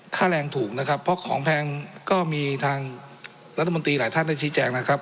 ค่าแรงถูกนะครับเพราะของแพงก็มีทางรัฐมนตรีหลายท่านได้ชี้แจงนะครับ